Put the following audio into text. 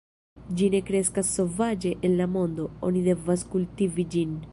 Ĝi ne kreskas sovaĝe en la mondo; oni devas kultivi ĝin.